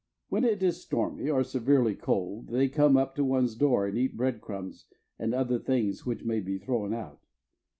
When it is stormy or severely cold they come up to one's door and eat bread crumbs and other things which may be thrown out.